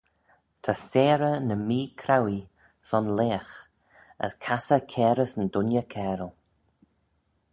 Ta seyrey ny mee-chrauee son leagh, as cassey cairys yn dooinney cairal!